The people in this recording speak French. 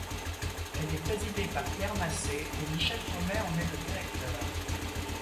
Elle est présidée par Pierre Massé et Michel Pomey en est le directeur.